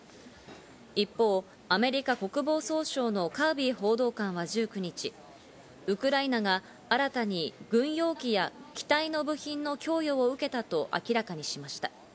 一方、アメリカ国防総省のカービー報道官は１９日、ウクライナが新たに軍用機や機体の部品の供与を受けたと明らかにしました。